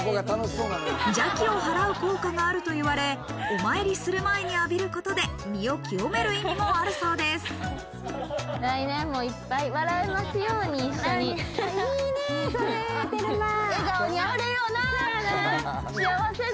邪気を払う効果があるといわれ、お参りする前に浴びることで身を清める意味もある来年もいっぱい笑えますように。